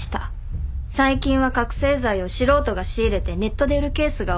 最近は覚醒剤を素人が仕入れてネットで売るケースが多い。